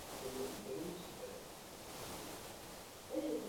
Během několika hodin byli Rusové schopni zničené mosty obnovit.